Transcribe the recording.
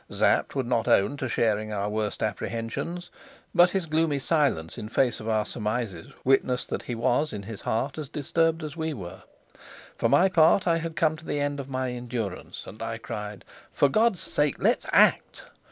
Sapt would not own to sharing our worst apprehensions, but his gloomy silence in face of our surmises witnessed that he was in his heart as disturbed as we were. For my part I had come to the end of my endurance, and I cried, "For God's sake, let's act!